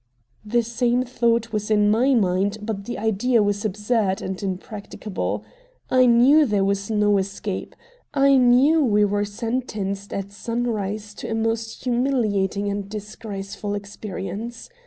The same thought was in my mind, but the idea was absurd, and impracticable. I knew there was no escape. I knew we were sentenced at sunrise to a most humiliating and disgraceful experience.